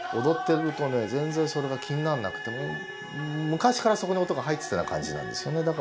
踊ってるとね全然それが気にならなくてね昔からそこに音が入っていたような感じなんですよね。